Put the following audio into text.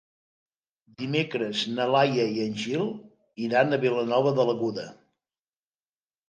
Dimecres na Laia i en Gil iran a Vilanova de l'Aguda.